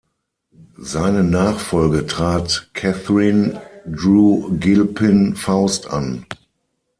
Seine Nachfolge trat Catherine Drew Gilpin Faust an.